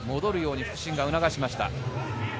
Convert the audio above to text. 戻るように主審が促しました。